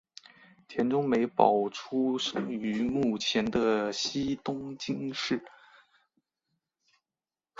田中美保出生于目前的西东京市。